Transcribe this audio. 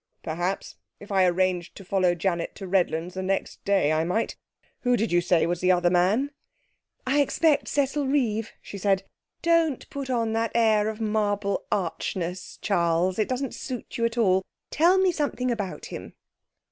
'Perhaps, if I arranged to follow Janet to Redlands the next day, I might. Who did you say was the other man?' 'I expect Cecil Reeve,' she said. 'Don't put on that air of marble archness, Charles. It doesn't suit you at all. Tell me something about him.'